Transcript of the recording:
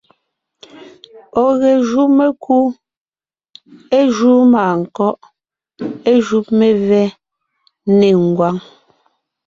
Ɔ̀ ge jú mekú, é júu mânkɔ́ʼ, é jú mevɛ́ nê ngwáŋ.